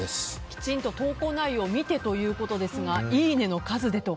きちんと投稿内容を見てということですがいいねの数でと。